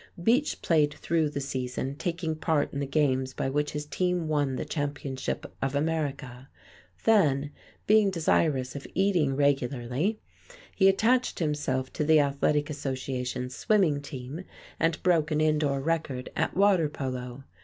Beach played through the season, taking part in the games by which his team won the championship of America. Then, being desirous of eating regularly, he attached himself to the athletic association's swimming team and broke an indoor record at water polo.